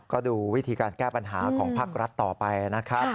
ก็ดูวิธีการแก้ปัญหาของภาครัฐต่อไปนะครับ